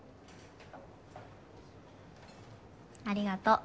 ありがとう。